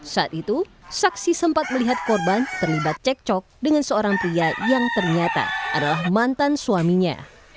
saat itu saksi sempat melihat korban terlibat cekcok dengan seorang pria yang ternyata adalah mantan suaminya